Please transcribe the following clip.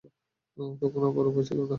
তখন যাওয়ার উপায় ছিল না।